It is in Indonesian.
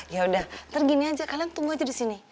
yaudah ntar gini aja kalian tunggu aja disini